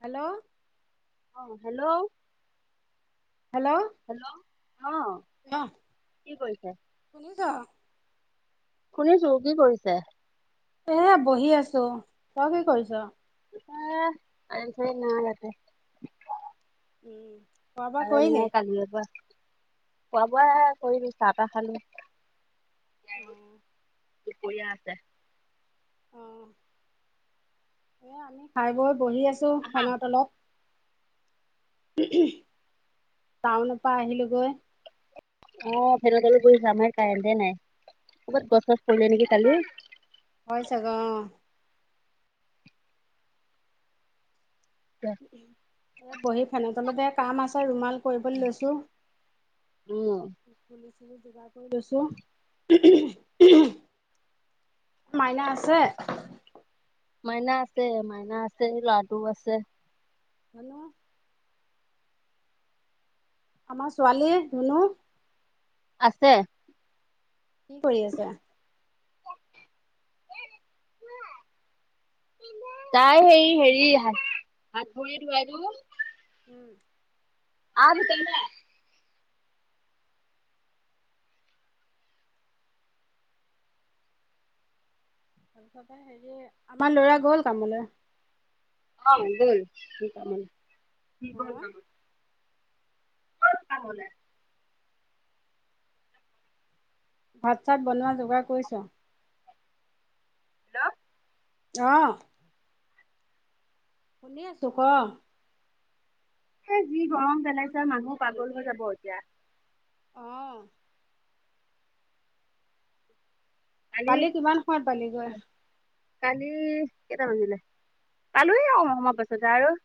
Hello অ hello hello hello অ ক কি কৰিছে? শুনিছ শুনিছো কি কৰিছে? এ বহি আছো তই কি কৰিছ? এ কাৰেন চাৰেন ইয়াতে উম খোৱা বোৱা কাৰেন কৰিলি? নাই কালি পৰা, খোৱা বোৱা কৰি চাহ তাহ খালো ইয়াৰো দুপৰীয়া আছে অ এ আমি খাই বৈ বহি আছো ফেনৰ তলত টাউনৰ পা আহিলোঁ গৈ। অ, ভেল [unintelligible] কাৰেণ্টে নাই ক'বাত গছ চছ পৰিলে নেকি কালি। হয় চাগে অ। [unintelligible] এ বহি ফেনৰ তলতে কাম আছে ৰুমাল কৰিবলৈ লৈছোঁ উম তুলি চুলি যোগাৰ কৰি লৈছোঁ মাইনা আছে? মাইনা আছে মাইনা আছে ল'ৰাটো আছে হেল্ল', আমাৰ ছোৱালীৰ ধুনু আছে। কি কৰি আছে? তাই হেই হেৰি হা - হাত ভৰি ধোৱাই দো উম, আ, গোটেই কেইটাই। [unintelligible] আমাৰ লৰা গ'ল কামলৈ। অ, গ'ল [unintelligible] [unintelligible] ভাত চাত বনোৱা যোগাৰ কৰিছ? হেল্ল', অ', শুনি আছো ক? এ যি গৰম পেলাইছে মানুহ পাগল হৈ যাব এতিয়া। অ', কালি কিমান সময়ত পালি গৈ? কালি কেইটা বাজিলে পালোৱেই অকমান সময়ৰ পাছতে আৰু।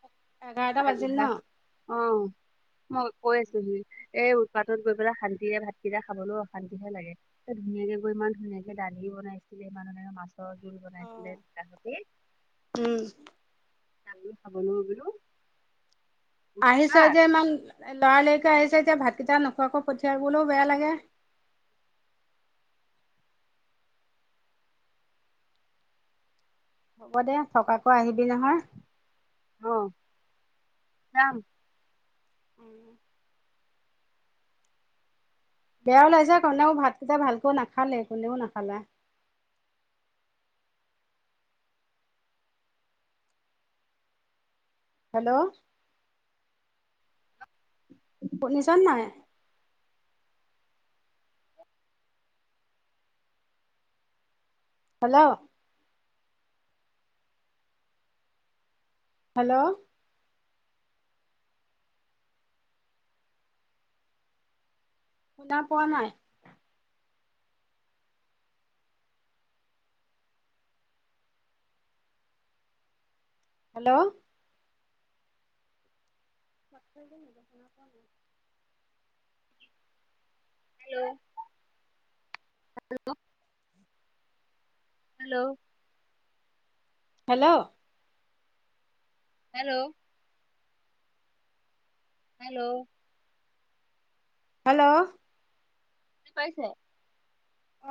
এঘাৰটা ভালো বাজিল ন ভা অহ, মই কৈ আছোঁ হি এই উৎপাতত গৈ পেলাই শান্তিৰে ভাতকেইটা খাবলৈও অশান্তিহে লাগে এ ধুনীয়াকে গৈ ইমান ধুনীয়াকে এইপিনে দালিও বনাইছিলে ইমান মাছৰ জোল অঁ বনাইছিলে তাহতি। উম। আমি খাবলৈ বুলো আহিছে যে ইমান লৰালৰিকে আহিছে এতিয়া ভাতকেইটা নোখোৱাকৈ পঠিয়াবলৈও বেয়া লাগে। হ'ব দে থকাকৈ আহিবি নহয়? অ, যাম। [inaudible] বেয়া ওলাই কনেও ভাতকেইটা ভালকৈ নাখালে কোনেও নাখালা। হেল্ল', [inaudible] শুনিছা নে নাই? হেল্ল', হেল্ল', শুনা পোৱা নাই? হেল্ল', [unintelligible] শুনা পোৱা নাই। Hello, hello, hello, hello, hello, hello, hello বুজি পাইছে,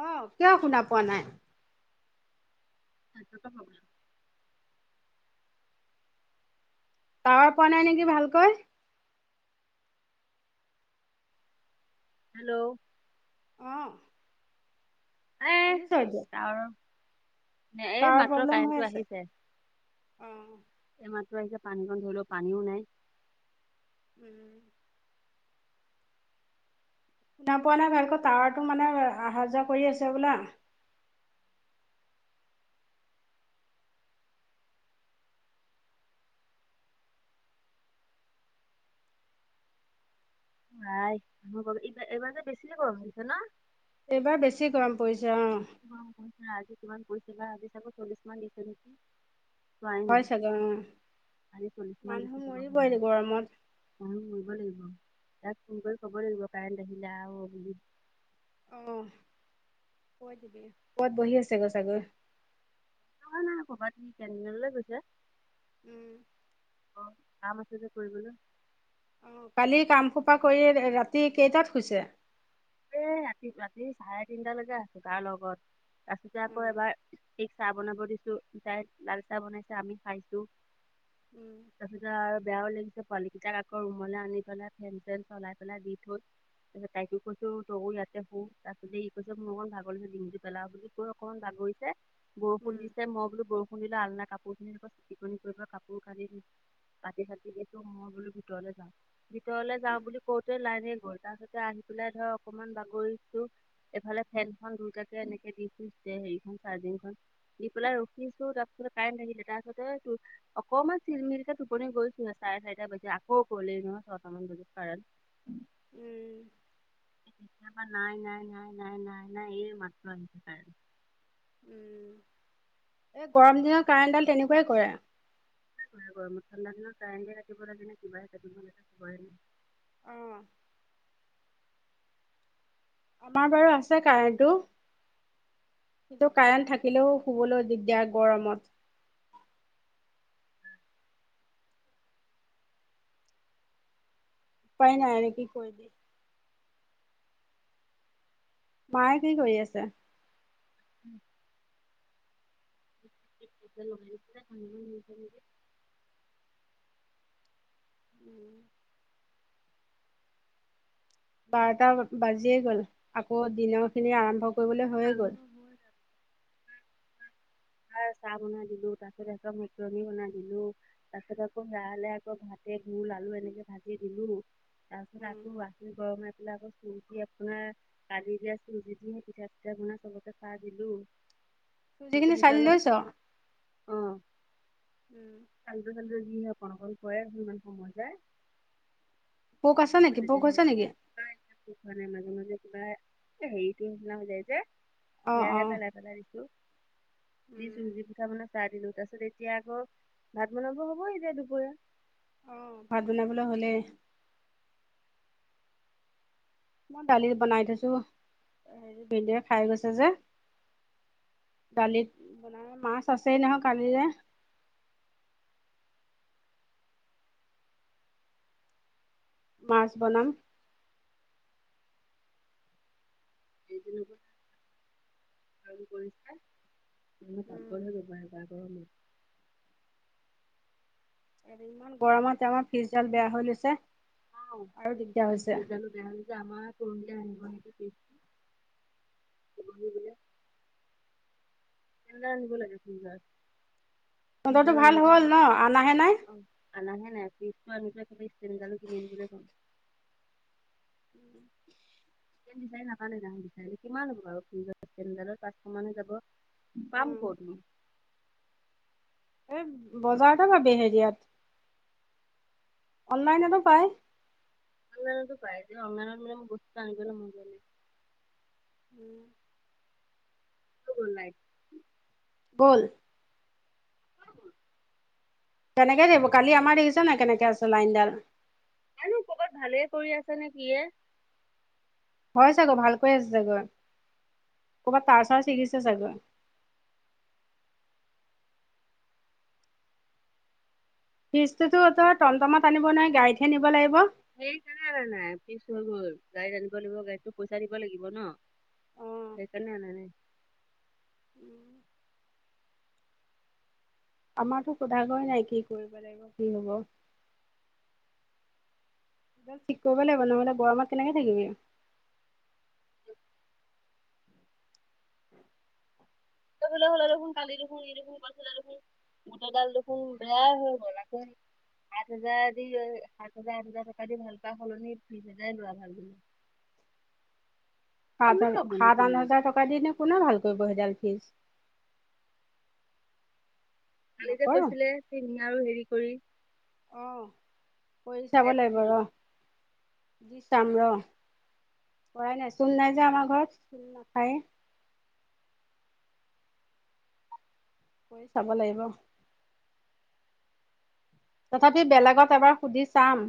অ, কিয় শুনা পোৱা নাই? ছাইত্তৰ পৰা প্ৰব্লেম [unintelligible] টাৱাৰ পোৱা নাই নেকি ভালকৈ। হেল্ল', অ', শুনিছ এতিয়া? আৰু এই মাত্ৰ কাৰেণ্টটো আহিছে। অ। এ মাত্ৰ আহিছে পানীকণ ধৰি লও, পানীও নাই। উম। শুনা পোৱা নাই ভালকৈ টাৱাৰটো মানে অহা যোৱা কৰি আছে বোলা। ভাই এমবাগ [unintelligible] এইবাৰ এইবাৰ যে বেছিকে গৰম হৈছে না। এইবাৰ বেছি গৰম। পৰিছে অ বেছি গৰম পৰিছে আজি কিমান পৰিছে বা আজি চাগৈ চলিছমান দিছে নেকি। চোৱাই হয় নাই, চাগে অ আজি চলিচমান মানুহ দিছে চাগৈ মৰিবই গৰমত মানুহ মৰিব লাগিব, ইয়াক ফোন কৰি কব লাগিব কাৰেণ্ট আহিলা আ অ বুলি। অ, কৈ দিবি ওপত বহি আছে গৈ চাগৈ। নহয় নাই কবাত সি কেন্টিন লৈ গৈছে উম। অ কাম আছে যে কৰিবলৈ। অ কালি কাম সোপা কৰি ৰাতি কেইটাত শুইছে? এই ৰাতি ৰাতি চাৰে তিনটালৈকে আছো কাৰ লগত, তাছোটিয়াকে আকৌ উম এবাৰ, কি চাহ বনাব দিছো তাই লাল চাহ বনাইছে আমি খাইছো উম তছিতা আৰু বেয়াও লাগি পোৱালী কেইটাৰ আকৌ ৰুমলে আনি পেলাই ফেন চেন চলাই পেলাই দি থৈ তাইকো কৈছো তইয়ো ইয়াতে শু তাৰপিছতে ই কৈছে মোৰ অকণ ভাগৰিছে ডিঙটো পেলাও বুলি কৈ অকনমান ভাগৰিছে বৰষুণ উম দিছে মই বোলো বৰষুণ দিলে আলনা কাপোৰখিনি ওপৰত চিটিকনি পৰিব কাপোৰ কানি পাতি ছাতি দিছোঁ মই বোলো ভিতৰলৈ যাওঁ ভিতৰলে যাওঁ উম বুলি কওতে লাইন গ'ল, তাৰপিছতে আহি পেলাই ধৰ অকমান বাগৰিছো। এইফালে ফেনখন দুইটাকে এনেকে দি ফুৰিছে সেৰিখন চাৰ্জিং খন। দি পেলাই ৰখিছো, তাৰপিছত কাৰেণ্ট আহিলে, তাৰপিছতে এই তুৰ অকমান চিলমিলকে টোপনি গৈছোহে, চাৰে চাৰিটা বাজি আকৌ গলেই নহয় ছয়টামান বজাত কাৰেণ্ট। [unintelligible] উম। এই তেতিয়া পা নাই নাই নাই নাই নাই নাই এই মাত্ৰ আহিছে কাৰেন্ট উম এই গৰম দিনৰ কাৰেণ্টডাল তেনেকুৱাই কৰে। এই গৰমত ঠাণ্ডাদিনত কাৰেণ্টে কাটিব লাগে, কিবাহে কাটিব লাগে হোৱাই নাই। অ। আমাৰ বাৰু আছে কাৰেন্টটো সেইটো কাৰেণ্ট থাকিলেও শুবলৈ দিগদাৰ গৰমত উপায় নাই আৰে কি কৰিবি মায়ে কি কৰি আছে? উম [unintelligible] উম বাৰটা বাজিয়ে গ'ল আকৌ দিনৰ খিনি আৰম্ভ কৰিবলৈ হৈয়ে গ'ল ভাল চাহ বনাই দিলো তাৰ পিছত সিহঁতক মেকুৰণী বনাই দিলো তাৰ পিছত আকৌ হেয়ালে আকৌ ভাতে ঘিওল আলু এনেকে ভাজি দিলো। তাৰপিছত উম। আকৌ গাখীৰ গৰম হৈ পেলাই আকৌ চুজি আপোনাৰ কালি গেছ [unintelligible] দিহে পিঠা এতিয়া গুনা চবকে চাহ দিলো, খ যিখিনি চালি লৈছ? গেছডালত অ। ওম। আল্টু ফাল্টু যিহে কৰকন কৰে মো ইমান সময় যায় পোক আছে নেকি পোক হৈছে নেকি? কিবা এটা পোখৰে মাজে মাজে কিবা হেৰিতটো নিচিনা হৈ যায় যে অ', সেয়াহে অ'। পেলাই পেলাই দিছো, উম। দিছো যি পিঠা বনাই। চাহ দিলো, তাৰপিছত এতিয়া আকৌ ভাত বনাব হ'ব এতিয়া দুপৰীয়া। অ ভাত বনাবলৈ হ'লে। মই দালি বনাই থৈছো, হেৰি ভিন্দয়ে খাই গৈছে যে। দালিত বনাই মাছ আছেই নহয় কালিৰে। মাছ বনাম। [unintelligible] কাম কৰিছে [unintelligible] উম। পাকঘৰ হৈ যাবাৰগৰমত। ইমান গৰমত আমাৰ ফিজডাল বেয়া হৈ লৈছে। আহ, আৰু দিগদাৰ হৈছে। ফ্ৰিজদালো জ আমাৰ পৰহীলে আনিব নেকি ফিছটো, দিবহি বোলে। এৱালে আনিব লাগে চোন [unintelligible] মটৰটো ভাল হ'ল ন, অনাহে নাই? অ আনাহে নাই। ফিজটো আনোতে একেবাই ষ্টেনডালো কিনি আনিবলৈ কম। উম [unintelligible] বিচাৰি নাপানে জা বিচাৰিলে কিমান হব বাৰু ফিজৰ ইছটেনডালত, পাঁচশ মানে যাব। পাম অ', ক'তনো। এই বজাৰতে পাবি হেৰিয়াত, অনলাইনতো পায়। অনলাইনটো পাই। কিন্তু অনলাইন মানে মোৰ বস্তুটো আনিবলৈ মন যোৱা নাই। উম। টো গ'ল লাইট। বল। হ। [unintelligible] কেনেকে দিব, কালি আমাৰ দেখিছে নাই কেনেকে আছে লাইনডাল। জানো ক'বাত ভালে কৰি আছে নে কিয়ে। হয় চাগৈ, ভালকৈ আছে চাগৈ, ক'ৰবাত তাৰ চাৰ ছিগিছে চাগৈ। ফিজটোতোতই টমটমত আনিব নোৱাৰি, গাড়ীতহে নিব লাগিব? সেইটোকাৰণে। ফ্ৰিজ হৈ গল, গাড়ীত আনিব লাগিব গাড়ীতো পইচা দিব লাগিব ন। অ সেই কানে আনা নাই। উম আমাৰতো সোধাগৈ নাই কি কৰিব লাগিব, কি হব। ঠিক কৰিব লাগিব, নহ'লে গৰমত কেনেকে থাকিবি। হলে হ'লে দেখোন কালি দেখোন, ই দেখোন, কৰিছিলে দেখোন। গোটেই ডাল দেখোন বেয়াই হৈ গ'ল। আকৌ সাত হাজাৰ দি, সাত হাজাৰ আঠ হাজাৰ টকা দি ভাল পোৱা সলনি বিছ হাজাৰ লোৱা ভাল বুলো। [inaudible] সাত হ ল'বনো সাত-আঠ কিমান হাজাৰ টকা দি নে কোনে ভাল কৰিব সেইডাল ফিজ। কালি জে নকৰ কৈছিলে তিনি আৰু হেৰি কৰি। অঁ কৰি চাব সেয়াকে লাগিব দি দিব ৰহ', যি চাম ৰহ'। কৰাই নায় চুন নাই যে আমাৰ ঘৰত চুন নাখাই। কৰি চাব লাগিব। তথাপি বেলেগত এবাৰ সুধি চাম।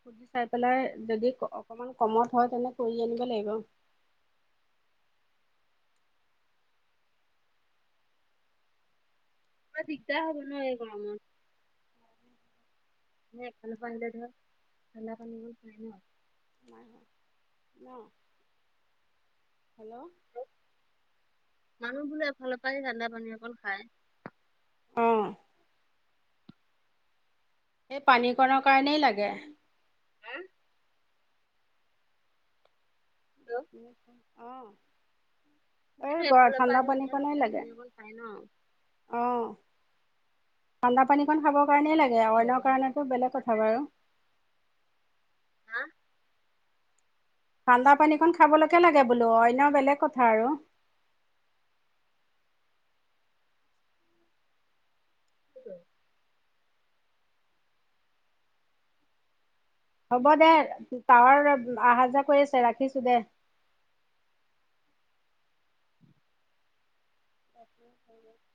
সুধি চাই পেলাই যদি অকমান কমত হয়, তেনে কৰি আনিব লাগিব। অ' দিগদাৰ হ'ব ন' এই গৰমত। এনেই এই ফালৰ পৰা আহিলে ধৰ ঠাণ্ডা পানী খাই ন' হয় ন'। হেল্ল'। মানুহ বোনে এফালৰ পৰা আহি ঠাণ্ডা পানী অকন খায়। অঁ। এই পানী কণৰ কাৰণেই লাগে। হা ত' অ' এই এইটো গৰমত এফালৰ পৰা ঠাণ্ডা আহি মানুহে পানীকনেই ঠাণ্ডা লাগে। পানী অকণ খায় ন অ' ঠাণ্ডা পানীকন খাব কাৰণেই লাগে অ অইনৰ কাৰণে টো বেলেগ কথা হেৰি বাৰু। হা। ঠাণ্ডা পানীকন খাবলৈকে লাগে বোলো [unintelligible] বেলেগ কথা আৰু। [inaudible] [unintelligible] হ'ব দে তাৱাৰ অহা যোৱা কৰি আছে, ৰাখিছোঁ দে। [inaudible] [unintelligible]